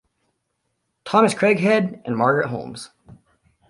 Thomas Craighead and Margaret Holmes.